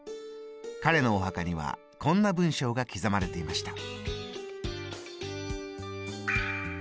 彼のお墓にはこんな文章が刻まれていました。